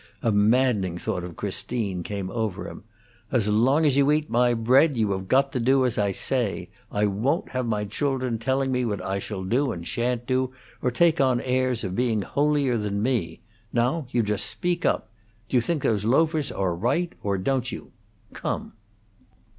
A maddening thought of Christine came over him. "As long as you eat my bread, you have got to do as I say. I won't have my children telling me what I shall do and sha'n't do, or take on airs of being holier than me. Now, you just speak up! Do you think those loafers are right, or don't you? Come!"